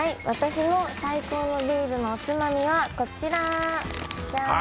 私の最高のビールのおつまみはこちら。